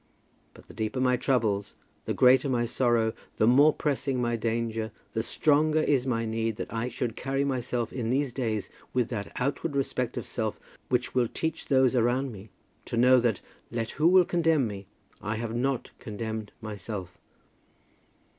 But the deeper my troubles, the greater my sorrow, the more pressing my danger, the stronger is my need that I should carry myself in these days with that outward respect of self which will teach those around me to know that, let who will condemn me, I have not condemned myself.